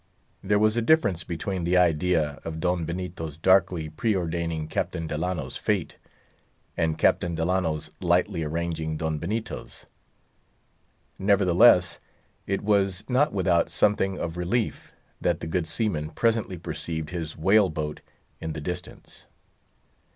There was a difference between the idea of Don Benito's darkly pre ordaining Captain Delano's fate, and Captain Delano's lightly arranging Don Benito's. Nevertheless, it was not without something of relief that the good seaman presently perceived his whale boat in the distance.